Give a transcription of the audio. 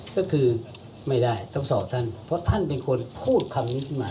ก็คือไม่ได้ต้องสอบท่านเพราะท่านเป็นคนพูดคำนี้ขึ้นมา